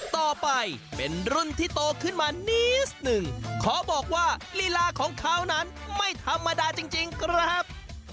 ต่อไปเป็นรุ่นที่โตขึ้นมานิดหนึ่งขอบอกว่าลีลาของเขานั้นไม่ธรรมดาจริงครับ